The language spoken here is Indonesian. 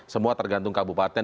semua tergantung kabupaten